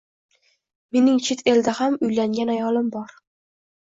Mening chet elda ham uylangan ayolim bor.